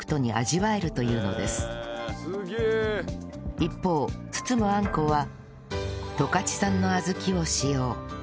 一方包むあんこは十勝産の小豆を使用